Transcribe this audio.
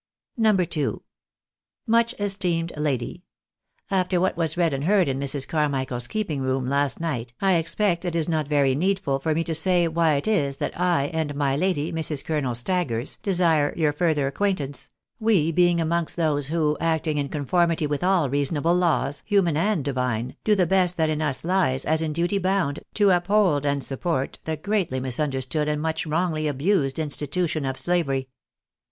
No. 11. " Much esteemed Lady, — After what was read and heard in Mrs. Carmichael's keeping room last night, I expect it is not very needful for me to say why it is that I and my lady, Mrs. Colonel Staggers, desire your further acquaintance — we being amongst those who, acting in conformity with all reasonable laws, human 144 THE BAENABYS IN AMERICA. and divine, do the best that in us Hes, as in duty bound, to uphold and support the greatly misunderstood and much wrongly abused institution of slavery.